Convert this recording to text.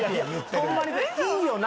ホンマに「いいよな」